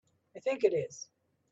I think it is.